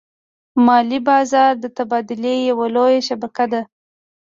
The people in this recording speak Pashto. مالي بازار د تبادلې یوه لویه شبکه ده.